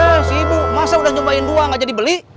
eh si ibu masa udah nyobain doang aja dibeli